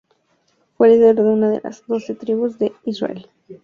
Fue líder de una de las doce Tribus de Israel.